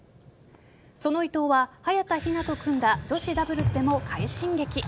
その伊藤は早田ひなと組んだ女子ダブルスでも快進撃。